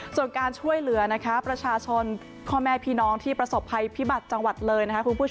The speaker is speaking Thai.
ส่วนการช่วยเหลือประชาชนความแม่พี่น้องที่ประสบภัยพิบัติจังหวัดเลย